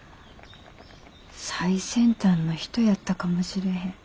最先端の人やったかもしれへん。